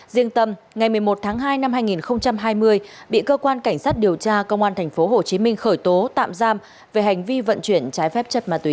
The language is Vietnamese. riêng tâm ngày một mươi một tháng hai năm hai nghìn hai mươi bị cơ quan cảnh sát điều tra công an thành phố hồ chí minh khởi tố tạm giam về hành vi vận chuyển trái phép chất ma túy